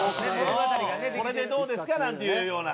これでどうですか？なんていうような。